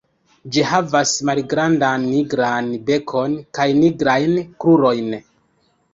Ĝi havas malgrandan nigran bekon kaj nigrajn krurojn.